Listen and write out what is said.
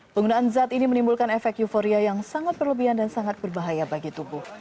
penggunaan zat ini menimbulkan efek euforia yang sangat berlebihan dan sangat berbahaya bagi tubuh